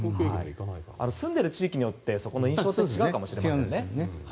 住んでいる地域によって印象が違うかもしれません。